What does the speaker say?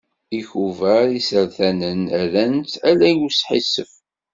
Ikubar isertanen rran-tt ala i usḥissef.